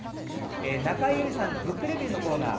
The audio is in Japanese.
「中江有里のブックレビュー」のコーナー